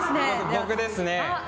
僕ですね。